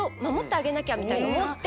みたいに思って。